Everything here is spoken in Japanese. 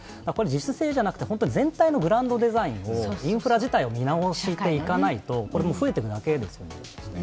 自主性じゃなくて本当のグランドデザインを、インフラ自体を見直していかないと、増えていくだけですよね。